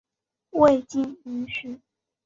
未经允许